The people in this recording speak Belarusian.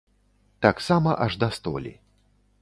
Таксама аж да столі.